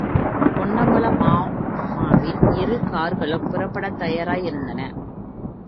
பொன்னம்பலமாமாவின் இரு கார்களும் புறப்படத் தயாராய் இருந்தன.